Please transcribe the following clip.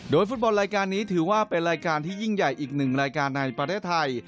ฟุตบอลรายการนี้ถือว่าเป็นรายการที่ยิ่งใหญ่อีกหนึ่งรายการในประเทศไทย